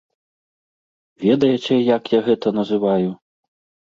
Ведаеце, як я гэта называю?